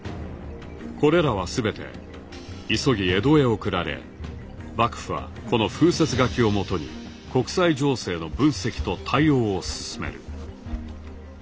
これらは全て急ぎ江戸へ送られ幕府はこの風説書をもとに国際情勢の分析と対応を進める。